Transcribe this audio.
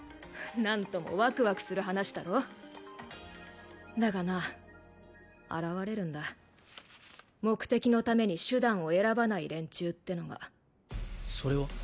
何ともワクワクする話だろ？だがな現れるんだ目的のために手段を選ばない連中ってのがそれは？